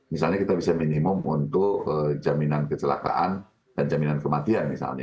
misalnya kita bisa minimum untuk jaminan kecelakaan dan jaminan kematian misalnya